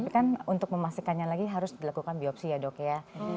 dan untuk memastikannya lagi harus dilakukan biopsi ya dok ya